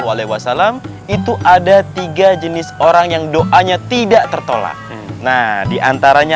waalaikumsalam itu ada tiga jenis orang yang doanya tidak tertolak nah diantaranya